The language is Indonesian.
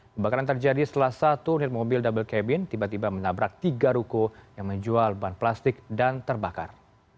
kebakaran terjadi setelah satu unit mobil double cabin tiba tiba menabrak tiga ruko yang menjual ban plastik dan terbakar